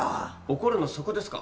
怒るのそこですか？